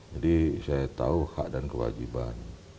jadi saya tahu hak dan kewajiban